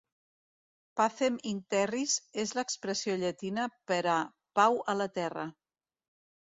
"Pacem in terris" és l'expressió llatina per a 'Pau a la Terra'.